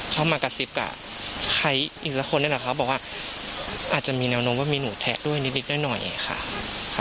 เข้ามากระซิบกับใครอีกละคนด้วยเหรอคะบอกว่าอาจจะมีแนวโน้มว่ามีหนูแทะด้วยนิดหน่อยค่ะ